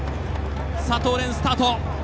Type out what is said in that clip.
佐藤蓮、スタート。